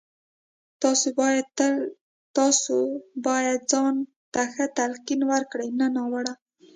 تاسې بايد ځان ته ښه تلقين وکړئ نه ناوړه.